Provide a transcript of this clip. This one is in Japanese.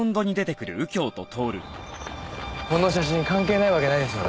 この写真関係ないわけないですよね。